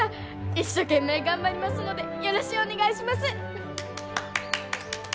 一生懸命頑張りますのでよろしゅうお願いします！